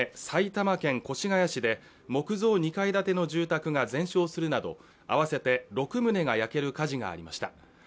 埼玉県越谷市で木造２階建ての住宅が全焼するなど合わせて六棟が焼ける火事がありました